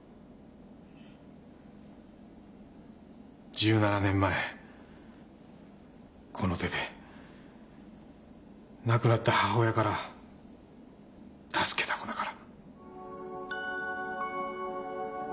１７年前この手で亡くなった母親から助けた子だから。